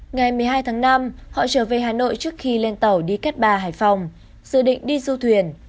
ngày một mươi hai tháng năm họ trở về hà nội trước khi lên tàu đi cát bà hải phòng dự định đi du thuyền